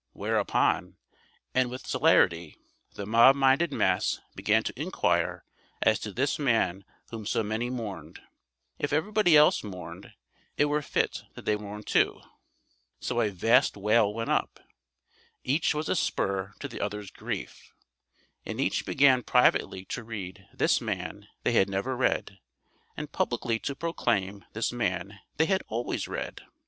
Whereupon, and with celerity, the mob minded mass began to inquire as to this man whom so many mourned. If everybody else mourned, it were fit that they mourn too. So a vast wail went up. Each was a spur to the other's grief, and each began privately to read this man they had never read and publicly to proclaim this man they had always read.